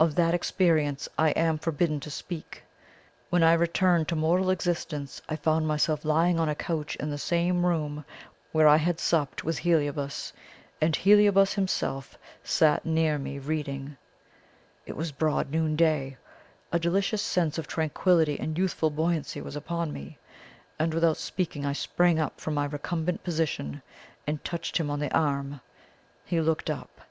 Of that experience I am forbidden to speak. When I returned to mortal existence I found myself lying on a couch in the same room where I had supped with Heliobas, and Heliobas himself sat near me reading. It was broad noonday. A delicious sense of tranquillity and youthful buoyancy was upon me, and without speaking I sprang up from my recumbent position and touched him on the arm. He looked up.